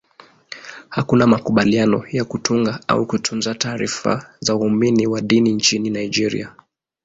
Hakuna makubaliano ya kutunga au kutunza taarifa za waumini wa dini nchini Nigeria.